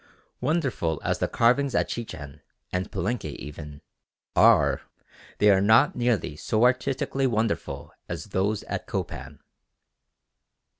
Wonderful as the carvings at Chichen, and Palenque even, are, they are not nearly so artistically wonderful as those at Copan.